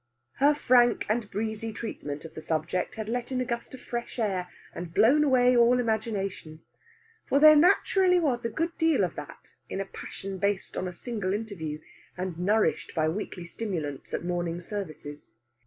Her frank and breezy treatment of the subject had let in a gust of fresh air, and blown away all imagination. For there naturally was a good deal of that in a passion based on a single interview and nourished by weekly stimulants at morning services.